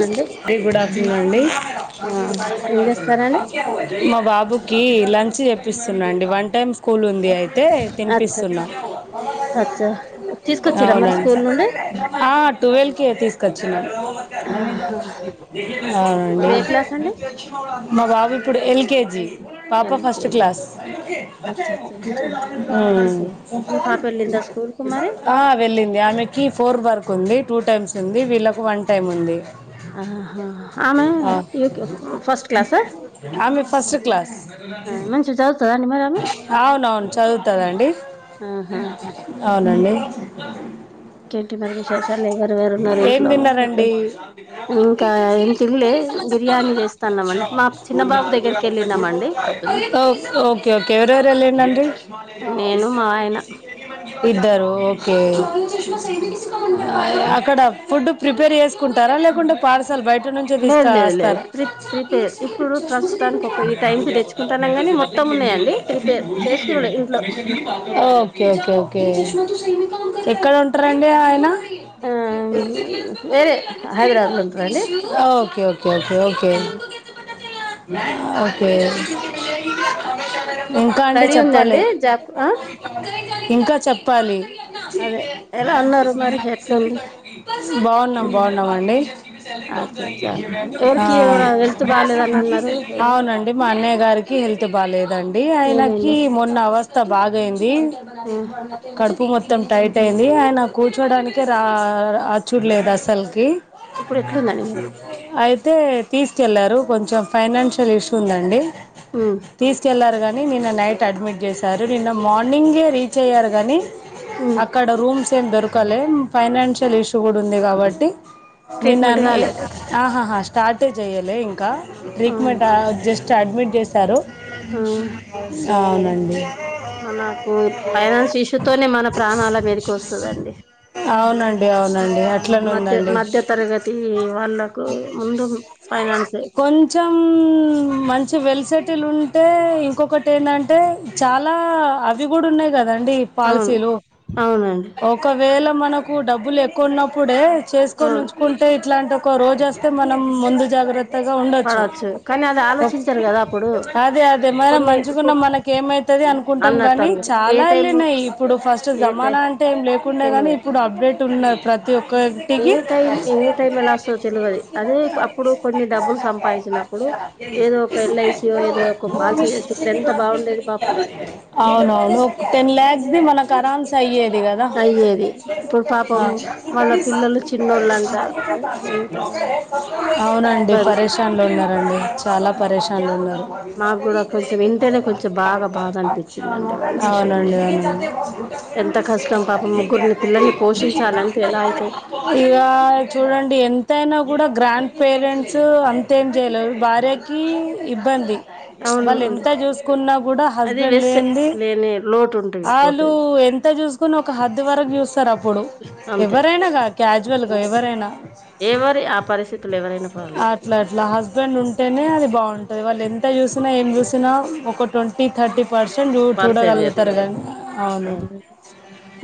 నండి ఇప్పుడు అచ్చిందండి ఆ ఏం చేస్తారండి అండి మా బాబుకి లంచ్ చెప్పిస్తున్నాండి వన్ టైమ్ స్కూల్ ఉంది అయిత్ తే అచ్చ తినిపిస్తున్నా అచ్చ అచ్చ తీసుకొచ్చిరా మరి అవునండి స్కూల్ నుండి హ ట్వెల్వ్కే తీసుకొచ్చినా ఆహా అవునండి ఇప్పుడు ఏ క్లాస్ అండి మా బాబు ఇప్పుడు ఎల్కేజీ పాపా ఫస్ట్ ఎల్కేజీ క్లాస్ అచ్చ అచ్చ ఊ మీ పాప వెళ్ళిందా స్కూల్ కు మరి ఆ వెళ్ళింది ఆమెకి ఫోర్ వర్క్ ఉంది టూ టైమ్స్ ఉంది వీళ్ళకు వన్ టైమ్ ఉంది. ఆహా ఆమె ఆ యూకే ఫస్ట్ క్లాసా ఆమె ఫస్ట్ క్లాస్. మంచిగ చదువుతదా అండి మరి ఆమె అవున్ అవున్ చదువుతదండి. ఆహా అవునండి ఇంకేంటి మరి విశేషాలు ఎవరెవరూ ఉన్నారు ఏం ఇంట్లో మరి నీతో. తిన్నారండి ఇంకా ఏం తిన్లే బిర్యానీ చేస్తాన్నాంమండి మా చిన్నబాబు దగ్గరికి వెళ్ళినమండి పొద్ద్ దున్నా ఓ- ఓకే ఓకే ఎవరెవరూ వెళ్ళిండ్ ఆండీ నేను మా ఆయన ఇద్దరు ఓక్ కే ఆ అక్కడా ఫుడ్డు ప్రిపేర్ చేసుకుంటారా లేకుంటే. పార్సల్ బయట నుంచే లేదు తీసుకా లేదు లేదు వస్తార. ప్రి ప్రిపేర్ ఇప్పుడు ప్రస్తుతానికి ఒక ఈ టైం కి తెచ్చుకుంటాన్నాం గాని మొత్తం ఉన్నాయండి ప్రిపేర్ చేసుకునుడే ఇంట్లో ఓ కే ఓకే ఓకే ఎక్కడ ఉంటారండి ఆయనా. ఊహు వేరే హైదరాబాద్ లో ఉంటారా అండి okay okay okay okay okay ఇంకా అండి స్టడీ చెప్పాలే ఉందండి జాబ్ ఆ ఇంకా చెప్పాలి అదే ఎలా ఉన్నారు మరి ఎట్లుంది బాగున్నాం బాగున్న్ న్నాం అండి అచ్చ అచ్చా ఎవరికి ఎవరు ఆ హెల్త్ బాలేదని అన్నారు ఎవరు అవునండి మా అన్నయ్య గారికి హెల్త్ బాగాలేదండి ఆయనకీ ఏమైంది మొన్న అవస్త్ త బాగయిందీ ఆ కడుపు మొత్తం టైట్ అయిందీ ఆయనా కూర్చోడానికే రా ఆ చూడలేదు అసల్కీ. ఇప్పుడు ఎట్లుందండి స మరి అయితే తీసుకెళ్ళారు కొంచెం ఫైనాన్షియల్ ఇష్యూ ఉందండి. ఊహ్ తీసుకెళ్ళారు గానీ నిన్న నైట్ అడ్మిట్ చేశారు నిన్న మార్నింగే రీచ్ అయ్యారు గానీ. ఉమ్ అక్కడ రూమ్స్ ఏమి దొరకలే ఫైనాన్షియల్ ఇష్యూ గూడ ఉంది కాబట్టి. నిన్న ట్రీట్మెంట్ కాలే అన్నయక్ ఆహా హా స్టార్టే జెయ్యలే ఇంకా ట్రీట్మెంట్ ఆ జస్ట్ అడ్మిట్ చేశారు అవునండి మనకూ ఫైనాన్షియల్ ఇష్యూ తోనే మన ప్రాణాల మీదకి వస్తుందండి. అవునండి అవునండి అ మధ్య మధ్య తరగతీ వాళ్ళకు ముందు ఫైనాన్సే. కొంచెం మంచి వెల్సెటిల్ ఉంటే ఇంకొకటి ఏందంటే. చాలా అవి గూడ ఉన్నాయి కదండి. అవును పాలసీలు అవునండి ఒకవేళ మనకు డబ్బులు ఎక్కువున్నప్పుడే చే కొని అవును ఉంచుకుంటే ఇట్లాంటి ఒక రోజు ఒస్తే మనం ముందు జాగ్రత్త్. త్తగా ఉండొచ్చు పడవచ్చు కానీ అది ఆలోచించరు కదా అప్పుడు అదే అదేమైనా కొన్ని ఇప్పు మంచిగున్నా మనక్ కేమైతది అనుకుంటాం అన్నట్టు గాని అనుకుంటారు ఏ చాలా టైం ఎళ్లినయి ఇప్పుడు ఫస్ట్ ఏ టై జమానా అంటే ఏం లేకుండే గాని. తెల్వదు ఇప్పుడు అప్డేట్ ఉన్నా ప్రతి ఒక్కా ఏ టికి టైం ఏ టైం ఎలా వస్తదో తెల్వది అదే అప్పుడు కొన్ని డబ్బులు సంపాదించినప్పుడు శ ఏదో ఒక ఎల్ఐసియో ఏదో ఒక పాలసీ చేస్తే ఇప్పుడు ఎంత బాగుండేది పాపం అవునవును ఒక టెన్ లాక్స్ ది మనకు అరామ్సే అయ్యేద్. ది గదా అయ్యేది ఇప్పుడు పాపం వాళ్ళ అవున్ పిల్లలు చిన్నోళ్ళంట ఎంత అవునండి ఇబ్బంది పరషాన్లో ఉన్నారండి. చాలా పరేషాన్లు ఉన్నారు మాకు కూడా కొంచెం వింటేనే కొంచెం బాగా బాధ అనిపించిందండి వాళ్ళ విషయంలో అవునండి అవును ఎంత కష్టం పాపం ముగ్గురిని పిల్లల్ని పోషించాలంటే ఎలా అయితది [unintelligible] ఇక చూడండి ఎంతయినా కూడా గ్రాండ్ పేరెంట్స్ అంతేం చేయలేవు భార్య ఇబ్బంది అవును వాళ్ళు అండి ఎంత చూసుకున్నా కూడా అది హస్బెండ్ వేస్టే లేంది లేని లోటు ఉంటుంది వాళ్ళు పోతది ఎంత చూసుకుని ఒక హద్దు వరకు చూస్తారు అప్పుడు అంతే ఎవరైనా కాని అజ్వల్ గా అంతే ఎవరైనా ఎవరి ఆ పరిస్థితులు ఎవరైనా ఆ పర్లే ఇట్లా అట్లా హస్బెండ్ ఉంటేనే అది బాగుంటది వాళ్ళు ఎంత అవును చూసినా ఏం చూసినా ఒక ట్వంటీ థర్టీ పర్సెంట్ పర్సెంట్ చూడగలుగుతారు చెప్తారు కానీ అవును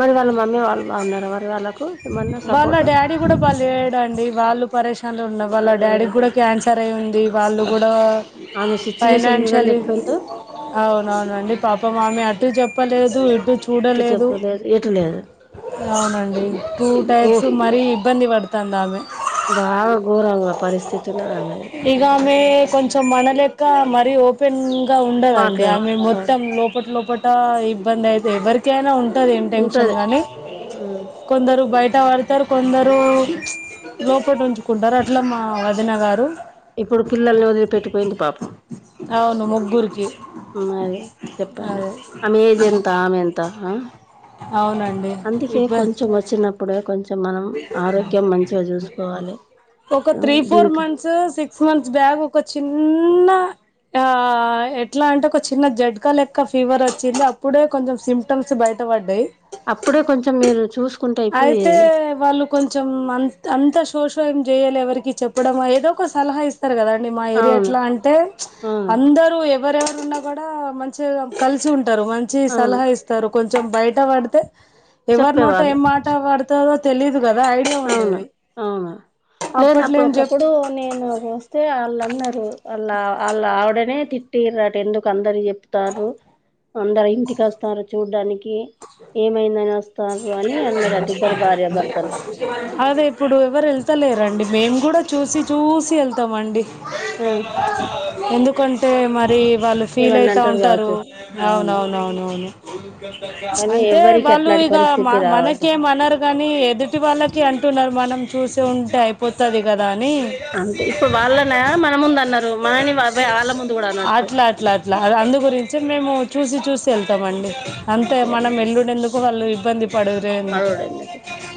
మరి వాళ్ళ మమ్మీ వాళ్ళు బాగున్నన్నారు మరి వాళ్ళకు ఏమన్నా వాళ్ళ సపోర్ట్ డాడీ కూడా పని చేయడండి వాళ్ళు పరేశాన్లు ఉన్న వాళ్ళ అరే డాడీకి కూడా క్యాన్సర్ అయి ఉంది వాళ్ళు బా కూడా ఆమె సిచ్యువేషన్ చూడండి ఫైనాన్షియలీ ఎట్లుందో అవునవునండి పాపం ఆమె అటు చెప్పలేదు ఇటు ఇటు చూడలేదు చెప్పలేదు ఎటు లేదు అవునండి టూ టై గో సో మరీ ఇబ్బంది పడతాంది ఆమె బాగా ఘోరంగా పరిస్థితి ఉన్నది ఆమెది ఇ గామె కొంచెం మన లెక్క మరియు ఇంగా ఉండదండి మాట్లాడ ఆమె మొత్తం లోపల లోపల ఇబ్బంది అయితే ఎవరి టైనా ఉంటది ఏం టెన్షన్ ఉంటది కానీ కొందరు బయట వడ్ తరు కొందరు లోపటి ఉంచుకుంటారు అట్లా మా వదిన గారు ఇప్పుడు పిల్లల్ని వదిలిపెట్టిపోయింది పాపం అవును ముగ్గురికి మది చెప్పండి అదే ఆమె ఏజ్ ఎంత ఆమె ఎంత హా అవునండి అందుకే ఇబ్బ కొంచం వచ్చిన అప్పుడే కొంచెం మా ఆరోగ్యం మంచిగా చూసుకోవాలి ఆ డ్రింక్ సిక్ మంత్స్ బ్యాక్ ఒక చిన్న ఆ ఎట్లా అంటే ఒక చిన్న జడ్గా లెక్క ఫీవర్ వచ్చింది అప్పుడే కొంచెం సిం టమ్స్ బయట పడ్డాయి అప్పుడే కొంచెం మీరు చూస్ అయితే వాళ్ళు కొంచెం అంత అంత శోషోయం చేయాలి ఎవరికి చెప్పడమ ఏదో ఒక సలహా ఇస్ కదండి మా ఏరియా అవును ఎట్లా అంటే అవును అందరూ ఎవరెవరు ఉన్న కూడా మంచిగా కలిసి ఉంటారు మంచి అవును సలహా ఇస్తారు కొంచెం బయట పడితే ఎవరి నోట చెప్పేవాళ్ళు ఏం మాట పడతదో తెలీదు కదా ఐడియా అవును ఉండేది అవును లేదు అప్పట్లో అప్పుడు ఏం చెప్ ఒకప్పుడు నేను తే ఆళ్ళన్నారు వాళ్ళ వాళ్ళ ఆవిడనే తిట్టిరట ఎందుకు అందరు చెప్ తారు అందరు ఇంటికి వస్తారు చూడ్డానికి ఏమైందని వస్తారు అని అన్నారట ఇద్దరు భార్యభర్తలు అదే ఇప్పుడు ఎవరు వెళ్తలేరండి మేము కూడా చూసి చూసి వెళ్తామండి ఆ ఎందుకంటే మరీ వాళ్ళు ఫీల్ ఏమన్నా అయితా అంటారు ఉంటారు కావచ్చు అవును అవునవునవును కానీ అంటే ఎవ్వరికి వాళ్ళు అట్లాంటి ఇక మ పరిస్థితి రావద్దు మనకే మనర్ కానీ ఎదుటి వాళ్ళకి అంటున్నారు మనం చూసి ఉంటే అయిపోతది కదా అని అంతే ఇప్పుడు వాళ్ళన మన ముందు అన్నారు మనని వాళ్ళ ముందు కూడా అనచ్చు ఇలా అందు గురించి మేము చూసి చూసి వెళ్తాం అండి అంతే అంతేలే ఉండెందుకు వాళ్ళు ఇబ్బంది పడ ఎందుకు పడవుడు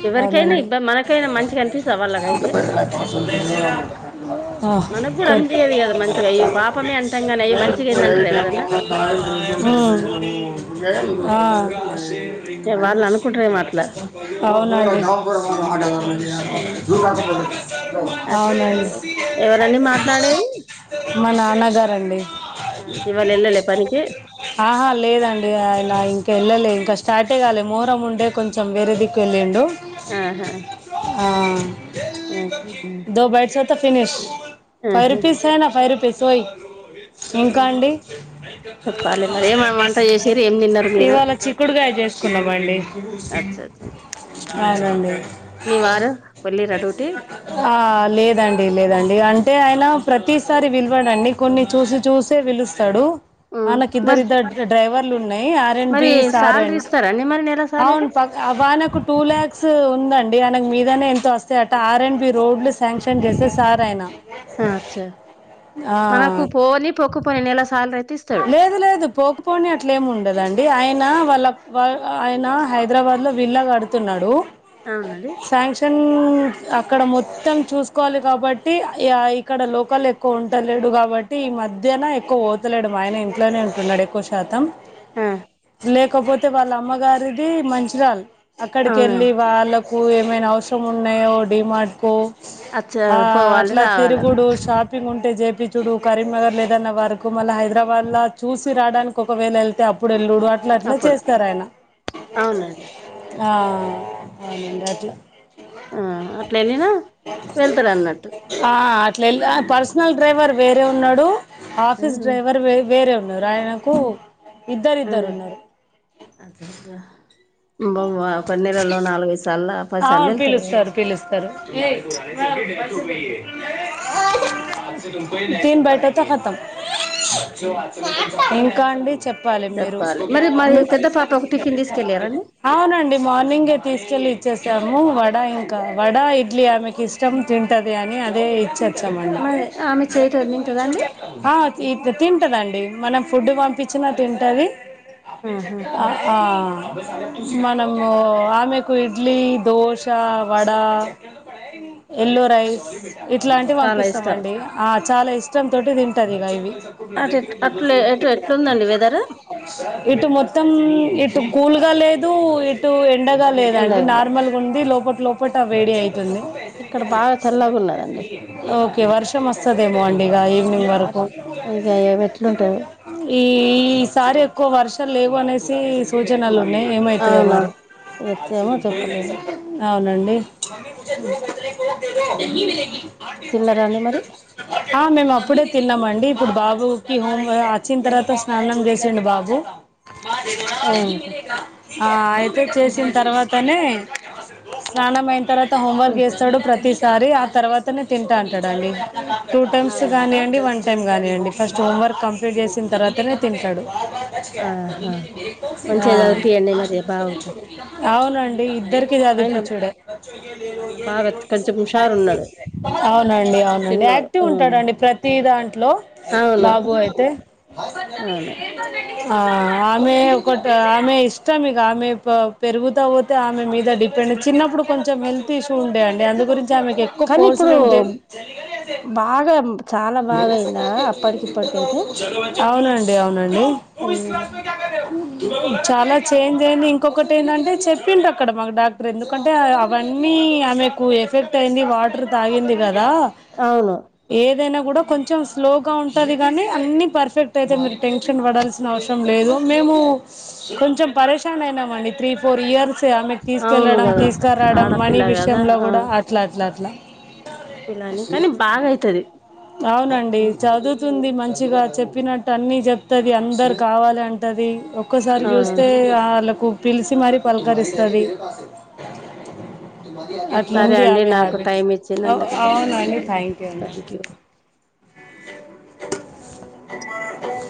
ఎవరికైనా అవునండి ఇబ్బ మనకైనా మంచిగా అనిపిస్తా [inaudible] వాళ్ళకైతే ఆహ్ మనకు కూడా [unintelligible] అనిపియదు కదా మంచిగా అయ్యో పాపమే అంటాం కానీ అయ్యో మంచిగా ఏంది అంటారు ఎవరన్నా ఉ [unintelligible] ఆ [inaudible] ఆ వాళ్ళు అనుకుంటారేమో అట్లా అవునండి [inaudible] ఆ అవునండి ఎవరండి మాట్లాడేది [inaudible] మా నాన్నగారండి [inaudible] ఇవాళ వెళ్ళలే పనికి ఆహా లేదండి ఆయలా ఇంకెళ్ళలే ఇంక స్టార్టే గాలే మొహరం ఉంటే కొంచం వేరే దిక్కు వెళ్ళండు ఆహా [inaudible] ఆ దో బైడ్స్ త ఫినిష్ ఫై ఆహా రుపీస్ ఐన ఫై రూపీస్ ఓయ్ ఇంకండి చెప్పాలి మరి ఏమ వంట చేసిరు [inaudible] ఏం తిన్నారు మీరు ఇవాళ చిక్కుడుగాయ జేసుకున్నమండి అచ్చ అచ్చ గాదండి వెళ్లిరా డూటికి ఆ లేదండి లేదండి అంటే ఆయన ప్రతీసారి పిల్వడండి కొన్ని చూసి చూసే పిలుస్ తడు వాళ్లక్ మరి ఇద్దరిద్దర్ డైవర్లున్నై ఆ నేన్ మరి బి ఇస్తా శాలరీ రెంట్ ఇస్తారండి మరి నెల అవున్ శాలరీ అబ ఆనకు టూ ల్యాక్స్ ఉందండి ఆనకు మీదనే ఎంతో వస్తయట ఆర్ ఎన్ బి రోడ్లు సాంక్షన్ జేసే సారాయన అచ్చా ఆ పొకపాయె నేలా సాల్రయితె లేదు లేదు పో పోని అట్లేముండదండి ఆయన వాళ్ళ ఆయనా హైదరాబాద్లో విల్లాగడుతున్నాడు అవునండి సాంక్ష న్ అక్కడ మొత్తం చూసుకోవాలి గాబట్టి ఇగ ఇక్కడ లోకల్ కొంటలేడు గాబట్టి ఈ మధ్యన ఎక్కువ పో తలేడు మా ఆయన ఇంట్లనే ఉంటున్నడు ఎక్కువ శాతం లేకపోతే వాళ్ళమ్మగారి దీ మంచిర్యాల్ అక్కడికెళ్ళి అవునండి వాళ్ళకు ఏమైనా అవసరం ఉన్నాయో డిమార్ట్కు అచ్చ ఆ పోవాలి అట్ల రావాలి తిరుగుడు షాపింగుంటే జేపిచ్చుడు కరీంనగర్లేదన్న వార మళ్ళ హైదరాబాద్ల చూసి రాడానికొకవేలెళ్తే అప్పుడెళ్ళుడు అ ట్లట్ల అప్పుడు చేస్తరాయన అవునండి ఆ అవునండి అట్ల ఆ అట్లెళ్లినా వెళ్తరన్నట్టు ఆ అట్లెళ్ అ పర్సనల్ డ్రైవర్ వేరే ఉన్నడూ ఆ టీస్ డ్రైవర్ వేరు వేరే ఉన్నరు వేరే ఆయనకూ ఇద్దరిద్దరున్నరు అట్లనా మమ్మ ఒక నెలలో నాలుగైదు సార్ల అవును పిలుస్తరు పిలుస్తరు తీన్ బయటోత్తె ఖతం ఇంకా అండి చెప్పాలి మీరు చెప్పాలి మరి మరి పెద్ద పాప ఒక టిఫిన్ తీసుకెళ్ళారండి అవునండి మార్నింగే తీస్కెళ్లి చేసాము వడ ఇంక వడ ఇడ్లీ ఆమెకిష్టం తింటది అని అదే ఇచ్ చామండి మరి ఆమె చేయటో తింటదండి ఆ తింటదండి మనం ఫుడ్డు పంపిచ్చినా తింటది ఆహా ఆ ఆ మనమూ ఆమెకు డ్లీ దోశా వడా ఎల్లో రైస్ ఇట్లాంటివి చాలా పంపిస్తం ఇష్టం అండి ఆ చాలా ఇష్టం తోటి దింటదిగ ఇవి అటెట్ అట్లే ఎటు ఎట్లుందండి వెదరు ఇటు మొత్తం ఇటు కూల్గా లేదూ ఇటు ఎండగా లేదం ఎండగలు మళ్ళీ ముందే లోపట లోపట ఆ వేడి అవుతుంది ఇక్కడ బాగా చల్లగా ఉన్నదండి ఓకే వర్షం వస్తదేమో అండి ఇక ఈవినింగ్ వర్ వరకు ఇక ఎట్లుంటదో ఈ ఈసారి ఎక్కువ వర్షాలు లేవు అనేసి సూచనలు ఉన్నాయి ఏమవుతయో అవునా మరి ఎట్లేమో చెప్పలేము అవునండి తిన్నారండి మరి ఆ మేము అప్పుడే తిన్నామండి ఇప్పుడు బాబుకి హోమ్ వచ్చిన తర్వాత స్నానం చేసిండు బాబు అంతే ఆ అయితే చేసిన తర్వాత తనే స్నానం అయిన తర్వాత హోం వర్క్ చేస్తాడు ప్రతిసారి సరే ఆ తర్వాతనే తింటా అంటాడు అండి టూ టైమ్స్ అవునండి కానీయండి వన్ టైం టైం కానియండి ఫస్ట్ హోమ్వర్క్ కంప్లీట్ చేసిన తర్వాతనే తింటాడు ఆహా మంచిగా చదిపియండి మరి బాబుకు ఆ అవునండి ఇద్దరి కి ఆయన చదివిపిచ్చుడే ఆయన బాగా కొంచెం హుషారు ఉన్నాడు అవునండి అవునండి చిన్నోడు ఆక్టివ్ అవును ఉంటాడండి ప్రతి దాంట్లో అవును బాబు అయితే అవును ఆ ఆమె ఒకటి ఆమె ఇష్టం మీకు ఆమె పెరుగుతా ఆమె మీద డిపెండ్ చిన్నప్పుడు కొంచెం హెల్త్ ఇష్యూ ఉండేయండి అందు గురించి ఆమెకు ఎక్కువ కానీ ఫోర్స్ ఇప్పుడు మేము బాగా చాలా మ బాగా సా అయిందా క క ఇ అప్పటికిప్పటికైతే కా [unintelligible] అవునండి అవునండి ఆ చాలా చేంజ్ అయింది ఇంకొక కటి ఏందంటే చెప్ప డు అక్కడ మాకు డాక్టర్ ఎందుకంటే అవన్నీ ఆమెకు ఎఫెక్ట్ అయింది వాటర్ తాగింది కదా అవును ఏదైనా కూడా కొంచెం స్లోగా ఉంటది గానీ అన్ని పర్ఫెక్ట్ అయితే మీరు టెన్షన్ పడాల్సి అవసరం లేదు మేము కొంచెం పరషాన్ అయినామండి త్రీ ఫోర్ ఇయర్స్ ఆమె అవును తీసుకెళ్లడం కదా తీసుకురాడం మనీ ఆడపిల్ల కదా విషయంలో ఆ కూడా అట్లా అట్లా అట్లా ఆడపిల్ల అని కానీ బాగా అయితది అవునండి చదువుతుంది మంచి గా చెప్పినట్టు అన్ని చెప్తది అందరు కావాలి అంటది ఒక్కసారి ఆ చూస్తే వాళ్ళకు పిలిసి మరి పలకరిస్తది సరే అట్లుంది అండి ఆమె నాకు హ్యాబిట్స్ టైం ఇచ్చినందుకు అవునండి ధన్యవాదాలండి థాంక్యూ అండి థ్యాంక్ యూ మా [unintelligible]